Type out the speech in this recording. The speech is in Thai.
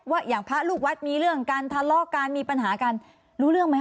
อย่างพระลูกวัดมีเรื่องกันทะเลาะกันมีปัญหากันรู้เรื่องไหมค